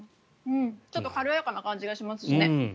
ちょっと軽やかな感じがしますもんね。